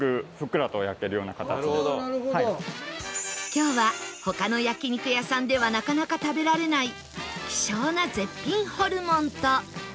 今日は他の焼肉屋さんではなかなか食べられない希少な絶品ホルモンと